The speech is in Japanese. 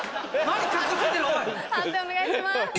判定お願いします。